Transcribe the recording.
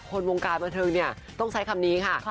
คนวงการบันเทิงเนี่ยต้องใช้คำนี้ค่ะ